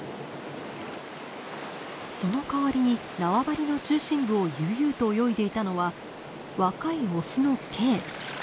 そのかわりに縄張りの中心部を悠々と泳いでいたのは若いオスのＫ。